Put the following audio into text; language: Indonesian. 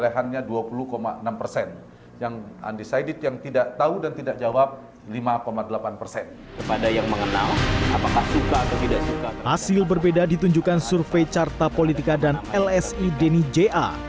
hasil berbeda ditunjukkan survei carta politika dan lsi deni ja